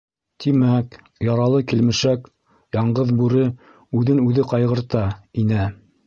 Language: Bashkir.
Тимәк, яралы килмешәк — яңғыҙ бүре, үҙен үҙе ҡайғырта, инә